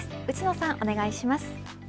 内野さんお願いします。